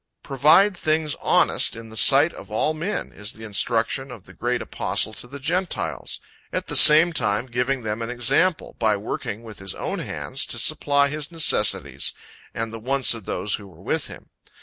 "Provide things honest in the sight of all men," is the instruction of the great apostle to the Gentiles; at the same time giving them an example, by working with his own hands, to supply his necessities, and the wants of those who were with him.